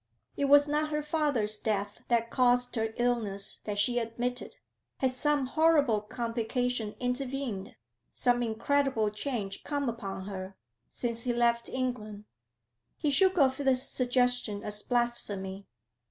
It was not her father's death that caused her illness that she admitted, Had some horrible complication intervened, some incredible change come upon her, since he left England? He shook off this suggestion as blasphemy.